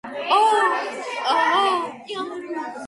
მზემ აიწია ფეხის წვერებზე მზემ მზის ქალაქში ჩამოიხედა იდგა